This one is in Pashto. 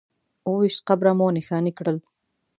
اووه ویشت قبره مو نښانې کړل.